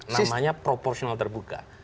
namanya proportional terbuka